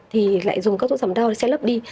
thì lại dùng các thuốc giảm đau sẽ lấp đi